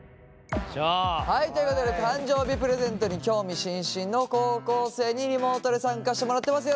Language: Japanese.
はいということで誕生日プレゼントに興味津々の高校生にリモートで参加してもらってます。